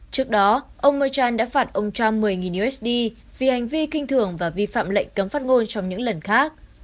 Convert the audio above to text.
trước đó ông machan đã phạt ông trump một mươi usd vì hành vi kinh thường và vi phạm lệnh cấm phát ngôn trong những lần khác